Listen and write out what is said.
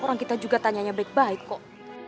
orang kita juga tanyanya baik baik kok